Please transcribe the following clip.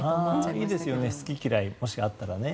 いいですよね好き嫌いがあったらね。